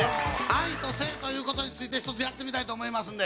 「愛と性」という事についてひとつやってみたいと思いますんで。